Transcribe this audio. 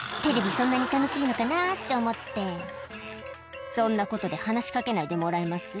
そんなに楽しいのかなと思って「そんなことで話し掛けないでもらえます？」